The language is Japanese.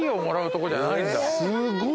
すごい。